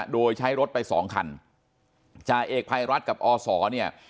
โดยใช้รถไปสองคันจ่าเอกภัยรัฐกับอศเนี่ย